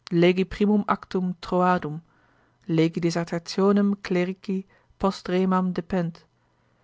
Legi primum actum Troadum. Legi Dissertationem Clerici postremam de Pent.